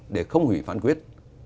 để không hủy phán quyết